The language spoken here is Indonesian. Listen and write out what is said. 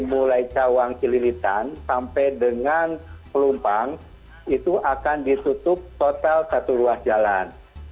mulai cawang cililitan sampai dengan pelumpang itu akan ditutup total satu ruas jalan